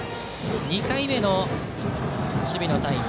２回目の守備のタイム。